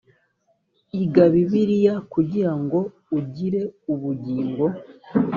iga bibiliya kugira ngo ugire ubugingo